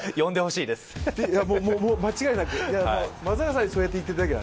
いやもう間違いなく！